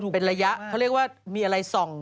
เป็นระยะเขาเรียกว่ามีอะไรส่อง